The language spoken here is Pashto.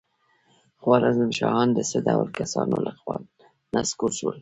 خوارزم شاهان د څه ډول کسانو له خوا نسکور شول؟